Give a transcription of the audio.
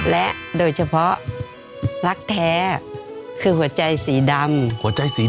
และโดยเฉพาะรักแท้คือหัวใจสีดำ